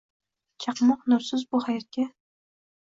Chaqmoq — nursiz bu hayotga